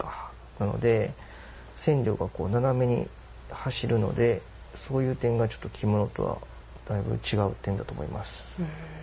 なので染料が斜めに走るのでそういう点がちょっと着物とはだいぶ違う点だと思います。